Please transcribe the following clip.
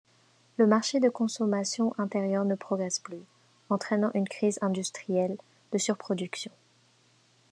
Le marché de consommation intérieur ne progresse plus, entraînant une crise industrielle de surproduction.